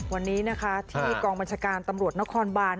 วันนี้นะคะที่กองบัญชาการตำรวจนครบาน